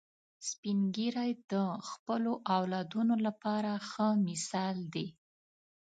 سپین ږیری د خپلو اولادونو لپاره ښه مثال دي